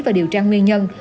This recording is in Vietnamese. và điều tra nguyên nhân